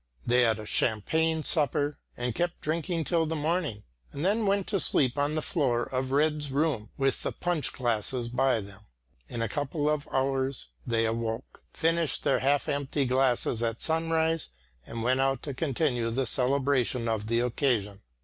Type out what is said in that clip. They had a champagne supper, and kept drinking till the morning, and then went to sleep on the floor of Rejd's room with the punch glasses by them. In a couple of hours they awoke, finished their half empty glasses at sunrise and went out to continue the celebration of the occasion.